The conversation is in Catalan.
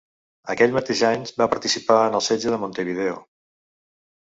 Aquell mateix any va participar en el setge de Montevideo.